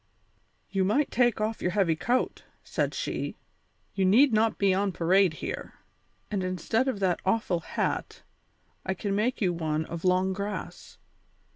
"You might take off your heavy coat," said she; "you need not be on parade here. And instead of that awful hat, I can make you one of long grass.